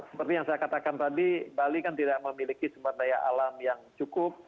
seperti yang saya katakan tadi bali kan tidak memiliki sumber daya alam yang cukup